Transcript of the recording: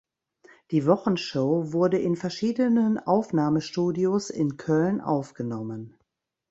Die Wochenshow wurde in verschiedenen Aufnahmestudios in Köln aufgenommen.